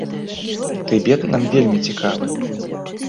Тыбет нам вельмі цікавы.